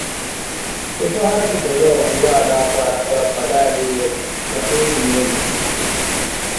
ދެފަހަރަކު ދެލޯ އުނގުޅާލާފައި ރަނގަޅަށް ބަލައިލީވެސް ޔަޤީންނުވެގެން